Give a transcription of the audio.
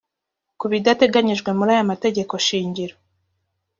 ku bidateganijwe muri aya mategeko shingiro